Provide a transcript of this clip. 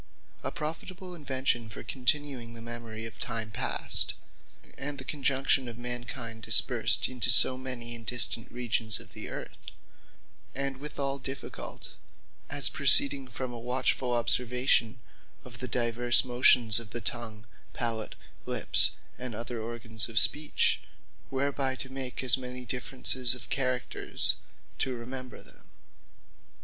A profitable Invention for continuing the memory of time past, and the conjunction of mankind, dispersed into so many, and distant regions of the Earth; and with all difficult, as proceeding from a watchfull observation of the divers motions of the Tongue, Palat, Lips, and other organs of Speech; whereby to make as many differences of characters, to remember them.